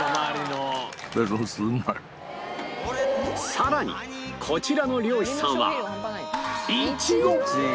さらにこちらの漁師さんはいちご！